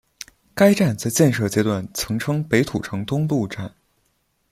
该站在建设阶段曾称北土城东路站。